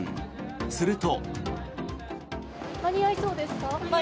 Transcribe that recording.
すると。